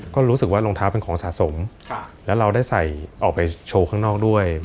ก็รู้สึกว่ารองเท้าเป็นของสะสมแล้วเราได้ใส่ออกไปโชว์ข้างนอกด้วย